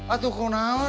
aduh kau naur